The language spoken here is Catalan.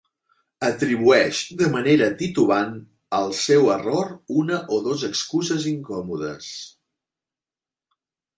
Atribueix de manera titubant al seu error una o dues excuses incòmodes.